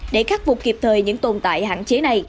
để khắc phục kịp thời những tồn tại hạn chế này